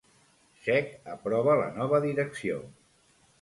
CeC aprova la nova direcció.